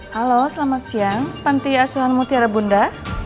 halo selamat siang panti asuhan mutiara bunda